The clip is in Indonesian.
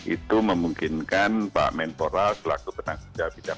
itu memungkinkan pak kemenpora berlaku penanggung jawab bidang undang